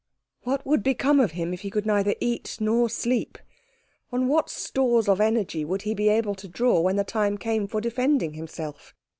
What would become of him if he could neither eat nor sleep? On what stores of energy would he be able to draw when the time came for defending himself?